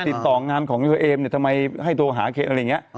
ติดต่องานของเธอเอมเนี่ยทำไมให้โทรหาเคนอะไรอย่างนี้